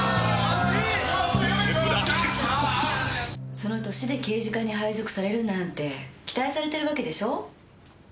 その歳で刑事課に配属されるなんて期待されてるわけでしょ。